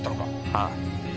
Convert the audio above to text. ああ。